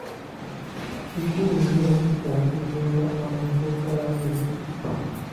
Kikulu nnyo okuzuula amakulu gaabyo.